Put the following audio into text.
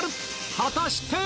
果たして。